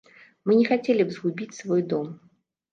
Мы не хацелі б згубіць свой дом.